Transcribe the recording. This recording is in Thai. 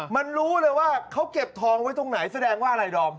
มันรู้เลยว่าเขาเก็บทองไว้ตรงไหนแสดงว่าอะไรดอม